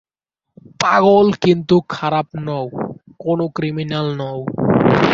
পাগল, কিন্তু খারাপ নও কোন ক্রিমিনাল নও।